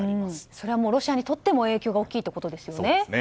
それはロシアにとっても影響が大きいということですね。